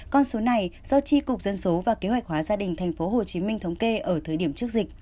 con số này do tri cục dân số và kế hoạch hóa gia đình thành phố hồ chí minh thống kê ở thời điểm trước dịch